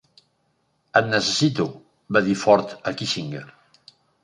"Et necessito" va dir Ford a Kissinger.